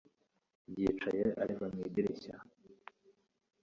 Yicaye areba mu idirishya